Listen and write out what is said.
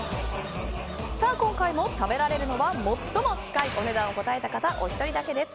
今回も食べられるのは最も近いお値段を答えた方お一人だけです。